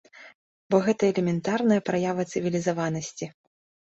Бо гэта элементарная праява цывілізаванасці.